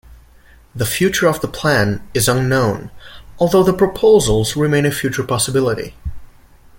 The future of the plan is unknown although the proposals remain a future possibility.